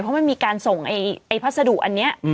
เพราะมันมีการส่งไอ้พัสดุอันนี้